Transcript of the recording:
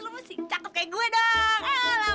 lo mesti cakup kayak gue dong